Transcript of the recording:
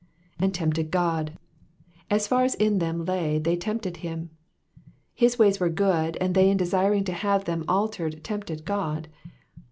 *^And tempted Ood.'*'* As far as in them lay they tempted him. His ways were good, and they in desiring to have them altered tempted God.